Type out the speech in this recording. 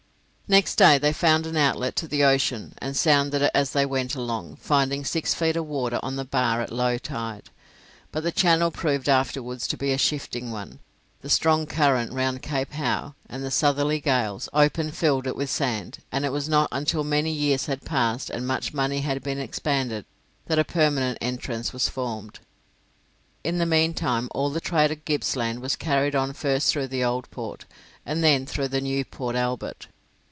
Next day they found an outlet to the ocean, and sounded it as they went along, finding six feet of water on the bar at low tide. But the channel proved afterwards to be a shifting one; the strong current round Cape Howe, and the southerly gales, often filled it with sand, and it was not until many years had passed, and much money had been expended, that a permanent entrance was formed. In the meantime all the trade of Gippsland was carried on first through the Old Port, and then through the new Port Albert.